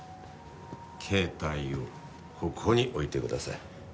携帯をここに置いてください。